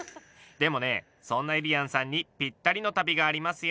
でもねそんなゆりやんさんにぴったりの旅がありますよ。